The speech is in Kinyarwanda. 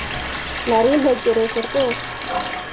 Nari ntegereje rwose.